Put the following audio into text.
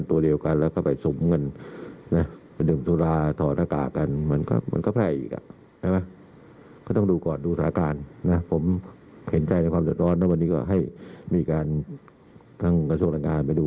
ท่านอาพัทรดูแลคนเหล่านี้อย่างไร